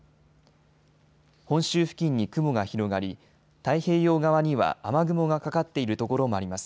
本州付近に雲が広がり太平洋側には雨雲がかかっている所もあります。